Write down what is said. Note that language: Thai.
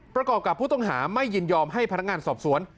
ประกอบกับผู้ต้องหาไม่ยินยอมให้พนักงานสอบสวน